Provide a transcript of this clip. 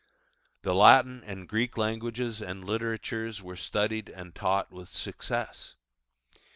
The Latin and Greek languages and literatures were studied and taught with success.